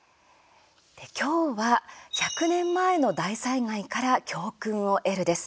今日は１００年前の大災害から教訓を得るです。